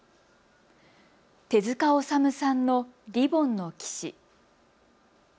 手塚治虫さんのリボンの騎士。